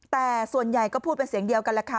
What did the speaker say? แต่ส่วนใหญ่ก็พูดเป็นเสียงเดียวกันแหละค่ะ